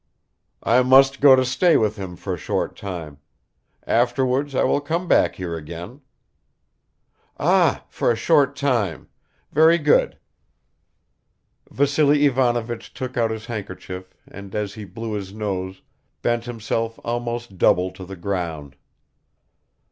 "I must go to stay with him for a short time. Afterwards I will come back here again." "Ah! for a short time ... very good." Vassily Ivanovich took out his handkerchief and as he blew his nose bent himself almost double to the ground.